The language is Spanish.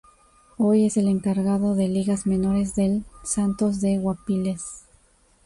Hoy es el encargado de ligas menores del Santos de Guápiles.